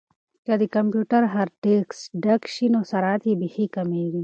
که د کمپیوټر هارډیسک ډک شي نو سرعت یې بیخي کمیږي.